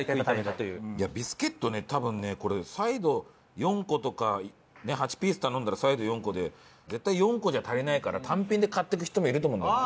ビスケットね多分ねこれサイド４個とか８ピース頼んだらサイド４個で絶対４個じゃ足りないから単品で買っていく人もいると思うんだよ。